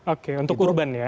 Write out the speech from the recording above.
oke untuk urban ya